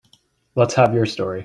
Let's have your story.